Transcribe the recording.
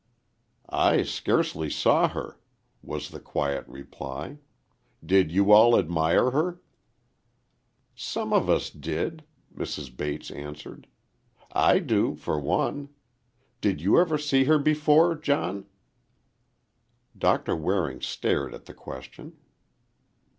"I scarcely saw her," was the quiet reply. "Did you all admire her?" "Some of us did." Mrs. Bates answered; "I do, for one. Did you ever see her before, John?" Doctor Waring stared at the question.